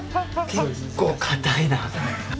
結構固いな。